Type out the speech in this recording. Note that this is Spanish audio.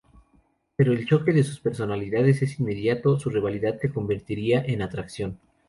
Pero el choque de sus personalidades es inmediato, su rivalidad se convertirá en atracción.